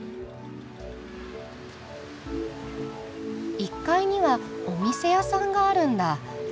１階にはお店屋さんがあるんだ。